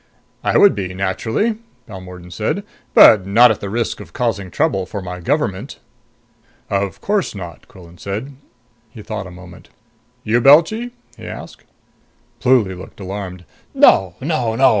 "I would be, naturally," Balmordan said. "But not at the risk of causing trouble for my government." "Of course not," Quillan said. He thought a moment. "You, Belchy?" he asked. Pluly looked alarmed. "No! No! No!"